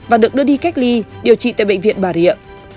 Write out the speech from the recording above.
và được đưa đi cách ly điều trị tại bệnh viện bà rịa